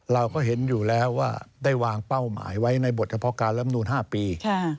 เราก็เห็นอยู่แล้วว่าได้วางเป้าหมายไว้ในบทเฉพาะการลำนูน๕ปี